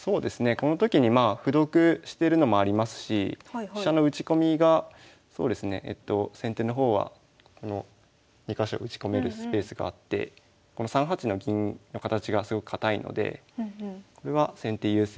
この時にまあ歩得してるのもありますし飛車の打ち込みがそうですね先手の方はこの２か所打ち込めるスペースがあってこの３八の銀の形がすごく堅いのでこれは先手優勢。